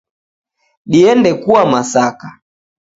Diende kua masaka